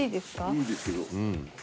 いいですよ。